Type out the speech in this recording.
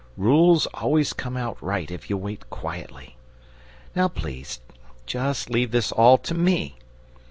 Rules always come right if you wait quietly. Now, please, just leave this all to me.